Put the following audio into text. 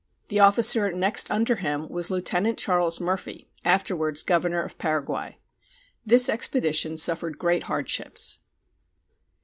The officer next under him was Lieutenant Charles Murphy, afterwards governor of Paraguay. This expedition suffered great hardships.